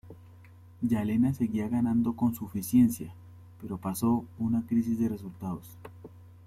Yelena seguía ganando con suficiencia, pero pasó una crisis de resultados.